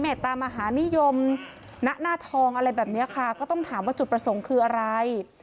ตามหานิยมณหน้าทองอะไรแบบนี้ค่ะก็ต้องถามว่าจุดประสงค์คืออะไร